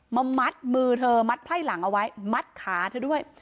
มัดมือเธอมัดไพ่หลังเอาไว้มัดขาเธอด้วย